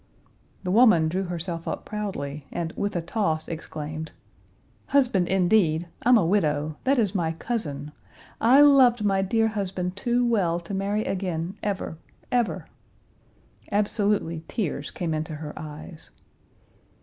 The woman drew herself up proudly, and, with a toss, exclaimed: "Husband, indeed! I'm a widow. That is my cousin. I loved my dear husband too well to marry again, ever, ever!" Absolutely tears came into her eyes.